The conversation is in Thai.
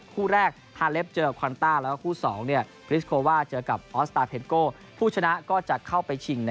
คู่แรกฮาเลฟเจอกับคอนต้าแล้วก็คู่๒เนี่ย